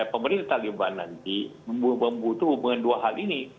pemerintah juga nanti membutuhkan dua hal ini